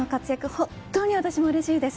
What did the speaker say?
本当に私もうれしいです。